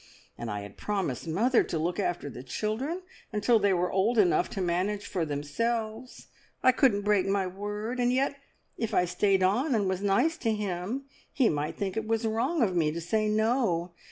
And I had promised mother to look after the children until they were old enough to manage for themselves. I couldn't break my word, and yet if I stayed on and was nice to him, he might think it was wrong of me to say No.